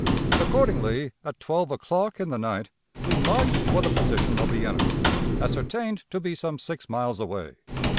"Accordingly, at twelve o'clock in the night, we marched for the position of the enemy, ascertained to be some six miles away.